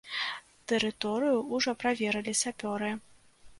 Тэрыторыю ўжо праверылі сапёры.